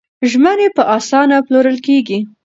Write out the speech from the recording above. ژمنې په اسانه پلورل کېږي.